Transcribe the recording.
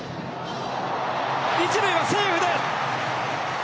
一塁はセーフです！